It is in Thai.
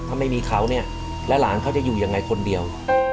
ถ้าไม่มีเขาเนี่ยแล้วหลานเขาจะอยู่ยังไงคนเดียว